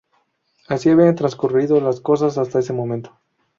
Así habían transcurrido las cosas hasta ese momento.